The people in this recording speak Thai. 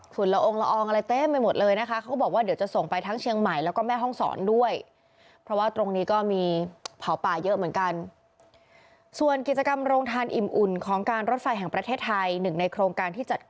ฝุ่นละอองละอองอะไรเต็มไปหมดเลยนะคะ